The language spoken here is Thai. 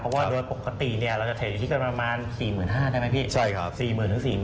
เพราะว่าโดยปกติเนี่ยเราจะเทรดอยู่ที่ประมาณ๔๕๐๐๐บาทได้ไหมพี่